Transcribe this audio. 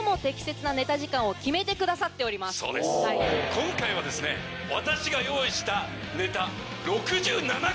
今回は私が用意したネタ。